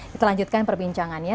kita lanjutkan perbincangannya